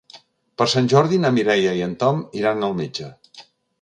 Per Sant Jordi na Mireia i en Tom iran al metge.